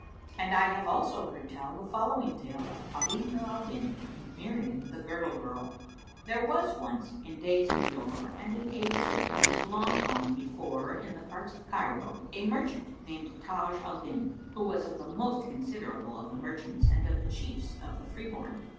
And I have also heard tell the following tale of ALI NUR AL DIN AND MIRIAM THE GIRDLE GIRL[FN#377] There was once in days of yore and in ages and times long gone before in the parts of Cairo, a merchant named Táj al Dín who was of the most considerable of the merchants and of the chiefs of the freeborn.